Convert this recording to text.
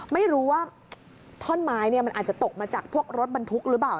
ไม่รู้ว่าท่อนไม้มันอาจจะตกมาจากพวกรถบรรทุกหรือเปล่า